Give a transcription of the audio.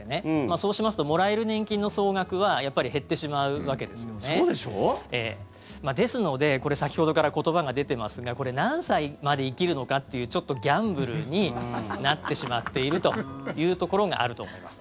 そうしますともらえる年金の総額はそうでしょ？ですので先ほどから言葉が出てますが何歳まで生きるのかというちょっとギャンブルになってしまっているというところがあると思います。